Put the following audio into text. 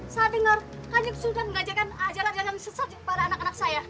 saya dengar kanjang sunan mengajarkan ajaran yang sesat kepada anak anak saya